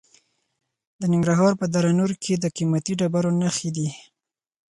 د ننګرهار په دره نور کې د قیمتي ډبرو نښې دي.